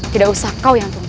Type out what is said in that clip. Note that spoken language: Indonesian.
tidak usah kau yang penting